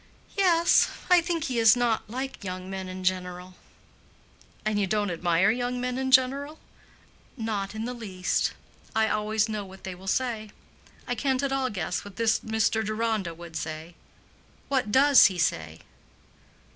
"Yes. I think he is not like young men in general." "And you don't admire young men in general?" "Not in the least. I always know what they will say. I can't at all guess what this Mr. Deronda would say. What does he say?"